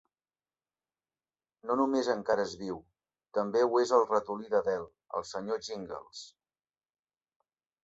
No només encara és viu, també ho és el ratolí de Del, el senyor Jingles.